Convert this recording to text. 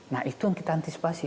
nah itu yang kita antisipasi